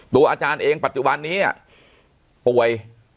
อาจารย์เองปัจจุบันนี้ป่วย